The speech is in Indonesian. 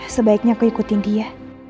sebaiknya aku ikutin dia